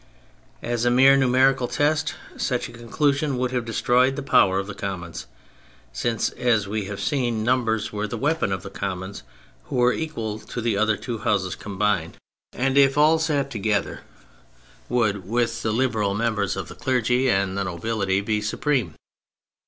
As a mere numerical test, such a conclusion would have destroyed the power of the Conmions, since, as we have seen, numbers were the weapon of the Commons, who were equal to the two other Houses combined, and if all THE PHASES 91 sat together would, with the Liberal members of the clergy and the nobility, be supreme.